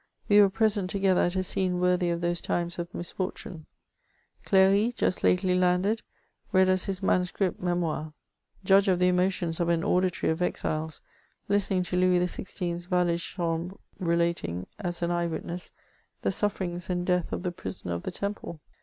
We were present together at a scene worthy of those times of misfortune : Clery, just lately landed, read us his manascript Memoirs, Judge of the emotions of an auditory of exiles, listening to Louis XVI.'s valet^de chambre relating', as an eye witness^ the sufferings and death of the prisoner of the Temple!